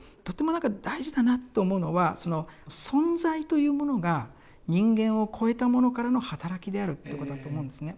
とてもなんか大事だなと思うのは存在というものが人間をこえたものからの働きであるということだと思うんですね。